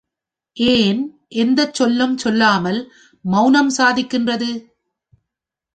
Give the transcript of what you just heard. ஏன் எந்தச் சொல்லும் சொல்லாமல் மவுனம் சாதிக்கின்றது?